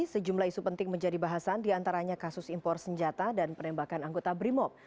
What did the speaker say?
sejumlah isu penting menjadi bahasan diantaranya kasus impor senjata dan penembakan anggota brimob